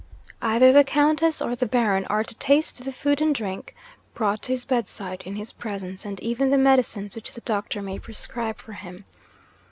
'Either the Countess or the Baron are to taste the food and drink brought to his bedside, in his presence, and even the medicines which the doctor may prescribe for him.